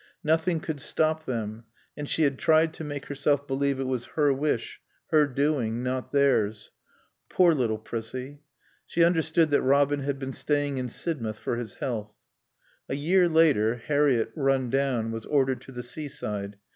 Nothing could stop them. And she had tried to make herself believe it was her wish, her doing, not theirs. Poor little Prissie. She understood that Robin had been staying in Sidmouth for his health. A year later, Harriett, run down, was ordered to the seaside.